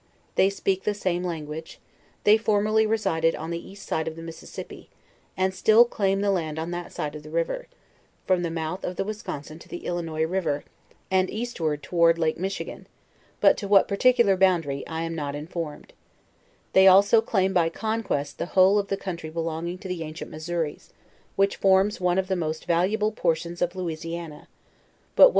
They speak the same language; they formerly resided on the east side of the Mississippi, and et'iH claim the land on that side of the river, from the mouth of the Wisconsin to the Illinois river, and eastward toward lake Michigan; but to what particular boundary, I am not inform 132 JOURNAL OF ed; they also claim, by conquest, the whole of the country belonging to the ancient Missouris, which forme one of the most valuable portions of Louisiana, but what